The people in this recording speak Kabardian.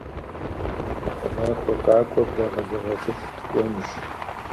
Тхьэмахуэ къакӏуэ благъэзэгъэцӏыху дыкӏуэнущ.